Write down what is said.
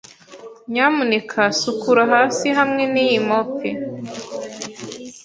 Nyamuneka sukura hasi hamwe niyi mope.